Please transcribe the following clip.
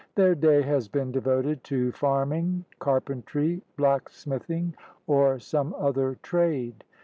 Their day has been devoted to farming, carpentry, blacksmithing, or some other trade.